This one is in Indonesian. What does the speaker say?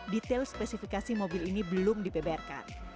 detail spesifikasi mobil ini belum dibeberkan